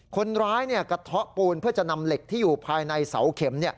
คนร้ายกระเทาะปูนเพื่อจะนำเหล็กที่อยู่ภายในเสาเข็ม